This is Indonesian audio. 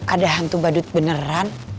ada hantu bandut beneran